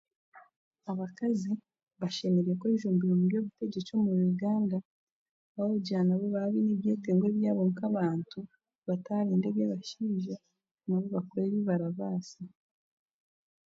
Abakazi bashemereire kwejumbira omu by'obutegyeki omu Uganda ahabwokugira ngu nabo nibaba baine ebyetengo ebyabo nk'abantu bataarinda eby'abashaija nabo bakore ebi barabaasa.